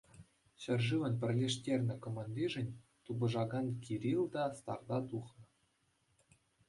Ҫӗршывӑн пӗрлештернӗ командишӗн тупӑшакан Кирилл та старта тухнӑ.